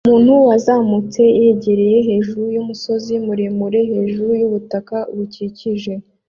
Umuntu wazamutse yegera hejuru yumusozi muremure hejuru yubutaka bukikije